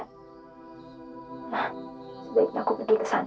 hai nah bila aku pergi ke sana